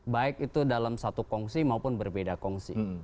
baik itu dalam satu kongsi maupun berbeda kongsi